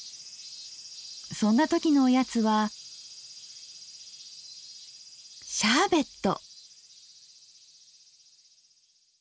そんな時のおやつは「シャーベット」。